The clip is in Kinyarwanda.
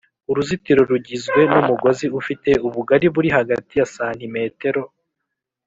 Uruzitiro rugizwe n umugozi ufite ubugari buri hagati ya santimetero